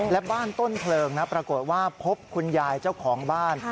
และบ้านต้นเพลิงนะปรากฏว่าพบคุณยายเจ้าของบ้าน